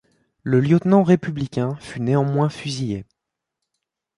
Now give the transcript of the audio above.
Le lieutenant républicain fut néanmoins fusillé.